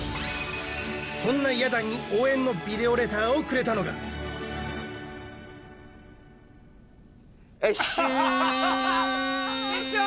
そんなや団に応援のビデオレターをくれたのがシュー師匠！